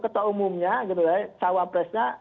ketua umumnya gitu ya cawapresnya